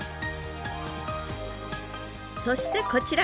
そしてこちら。